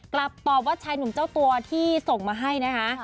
กลับตอบว่าชายหนุ่มเจ้าตัวที่ส่งมาให้นะคะ